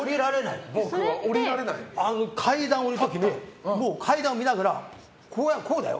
階段を下りる時に階段を見ながら、こうだよ？